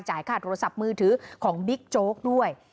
ค่าโทรศัพท์มือถือของบิ๊กโจ๊กด้วย